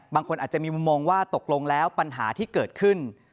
บางคนอาจจะมีมุมมองว่าตกลงแล้วปัญหาที่เกิดขึ้น